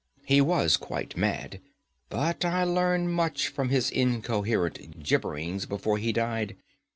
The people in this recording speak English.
He was quite mad, but I learned much from his incoherent gibberings before he died.